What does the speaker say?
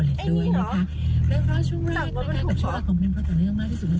อุ๊ยด้วนไหลเหลือ